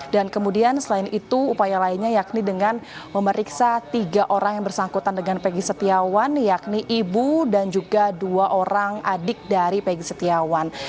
dan kemudian selain itu upaya lainnya yakni dengan memeriksa tiga orang yang bersangkutan dengan peggy setiawan yakni ibu dan juga dua orang adik dari peggy setiawan